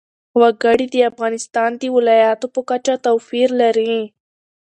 وګړي د افغانستان د ولایاتو په کچه توپیر لري.